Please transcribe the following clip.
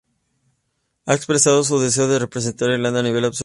Ha expresado su deseo de representar a Irlanda a nivel absoluto.